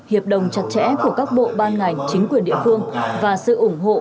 hiệp đồng chặt chẽ của các bộ ban ngành chính quyền địa phương và sự ủng hộ